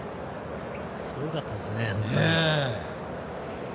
すごかったですね、本当に。